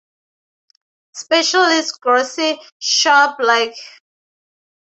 Specialist Grocery shops like FabIndia, Food World are located here.